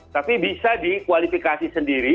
tapi bisa dikualifikasi sendiri